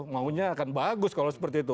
maunya akan bagus kalau seperti itu